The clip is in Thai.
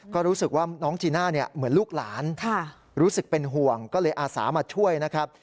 ก็รู้สึกว่าน้องจีน่าเนี่ยเหมือนลูกหลานรู้สึกเป็นห่วงก็เลยอาสามาช่วยนะครับ